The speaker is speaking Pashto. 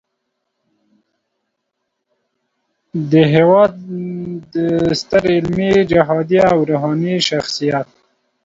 د هیواد ستر علمي، جهادي او روحاني شخصیت